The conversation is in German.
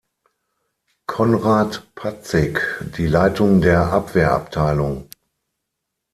Conrad Patzig die Leitung der Abwehrabteilung.